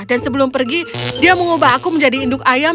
dan sebelum pergi dia mengubah aku menjadi induk ayam